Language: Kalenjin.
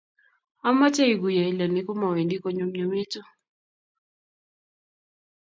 Amoche iguiye ile ni komowendi konyumnyumitu.